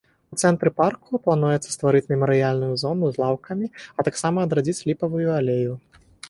У цэнтры парку плануецца стварыць мемарыяльную зону з лаўкамі, а таксама адрадзіць ліпавую алею.